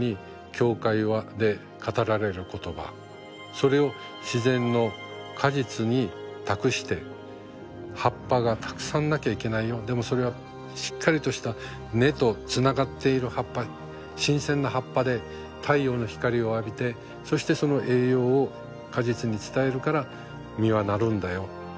それを自然の果実に託して葉っぱがたくさんなきゃいけないよでもそれはしっかりとした根とつながっている葉っぱ新鮮な葉っぱで太陽の光を浴びてそしてその栄養を果実に伝えるから実はなるんだよ。